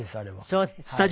そうですか。